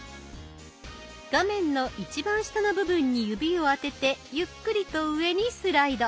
画面の一番下の部分に指をあててゆっくりと上にスライド。